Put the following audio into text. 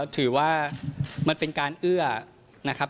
ถือว่าเป็นการเอื้อนะครับ